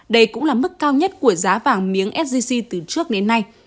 đây cũng là mức cao nhất của giá vàng miếng sgc từ trước đến nay